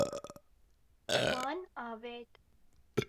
Wan avêt.